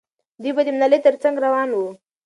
دوی به د ملالۍ تر څنګ روان وو.